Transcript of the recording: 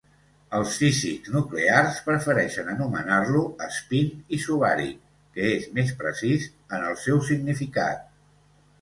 Els físics nuclears prefereixen anomenar-lo espín isobàric, que és més precís en el seu significat.